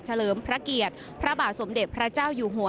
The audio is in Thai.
เลิมพระเกียรติพระบาทสมเด็จพระเจ้าอยู่หัว